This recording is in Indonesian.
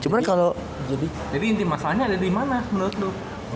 jadi inti masalahnya ada dimana menurut lo